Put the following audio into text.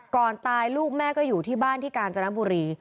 ก่อนตายลูกแม่ก็อยู่ที่บ้านที่กาญจนบุรี